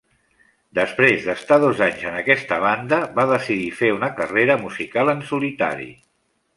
Després d'estar dos anys en aquesta banda va decidir fer una carrera musical en solitari.